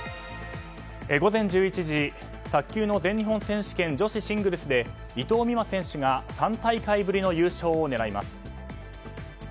午前１１時卓球の全日本選手権女子シングルスで伊藤美誠選手が３大会ぶりの優勝を狙います。